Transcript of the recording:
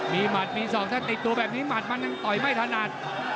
มีหมัดมีศอกถ้าติดตัวแบบนี้หมัดมันยังต่อยไม่ถนัด